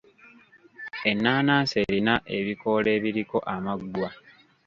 Ennaanansi erina ebikoola ebiriko amaggwa.